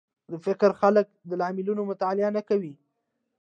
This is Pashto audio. د فکر خلک د لاملونو مطالعه نه کوي